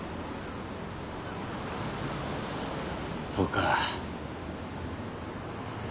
そうか。